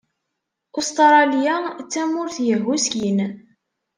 Ustṛalya d tamurt yehhuskin.